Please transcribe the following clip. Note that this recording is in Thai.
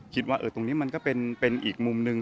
คิดว่าตรงนี้มันก็เป็นอีกมุมหนึ่ง